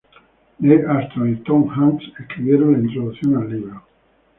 Neil Armstrong y Tom Hanks escribieron la introducción al libro.